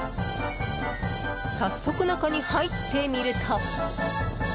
早速、中に入ってみると。